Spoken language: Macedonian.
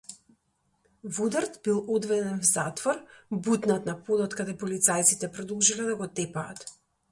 Вудард бил одведен в затвор, бутнат на подот каде полицајците продолжиле да го тепаат.